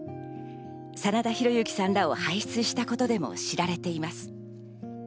真田広之さんらを輩出したことでも知られています。